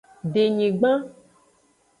Denyigban.